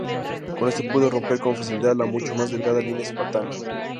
Con esto pudo romper con facilidad la mucho más delgada línea espartana.